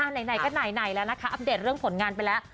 ไหนก็ไหนแล้วนะคะอัปเดตเรื่องผลงานไปแล้ว